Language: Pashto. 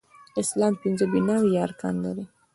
اسلام پنځه بناوې يا ارکان لري